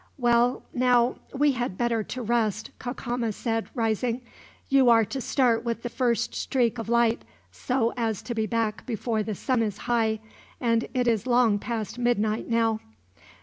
"Well now, we had better to rest," Cacama said, rising. "You are to start with the first streak of light, so as to be back before the sun is high, and it is long past midnight now.